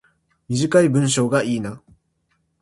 短い文章がいいな